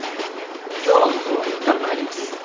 今日のところはいったん帰ります。